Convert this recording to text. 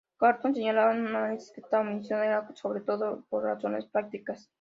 Galton señalaba en su análisis que esta omisión era sobre todo por razones prácticas.